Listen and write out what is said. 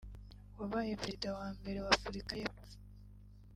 wabaye perezida wa mbere wa Afurika y’epfo